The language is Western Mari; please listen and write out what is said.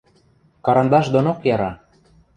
Карандаш донок яра.